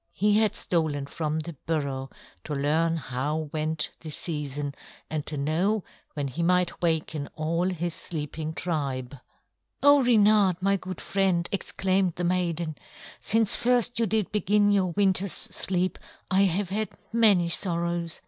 He had stolen from the burrow to learn how went the season and to know when he might waken all his sleeping tribe. "Oh, Reynard, my good friend!" exclaimed the maiden. "Since first you did begin your winter's sleep, I have had many sorrows.